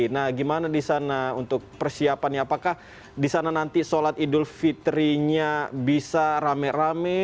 nah gimana di sana untuk persiapannya apakah di sana nanti sholat idul fitrinya bisa rame rame